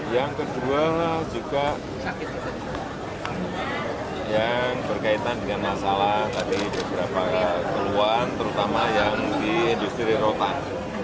yang kedua juga yang berkaitan dengan masalah tadi beberapa keluhan terutama yang di industri rotan